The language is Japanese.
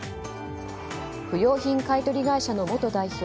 不用品買い取り会社の元代表